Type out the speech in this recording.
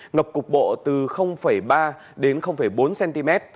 ngập cục bộ từ ba đến bốn cm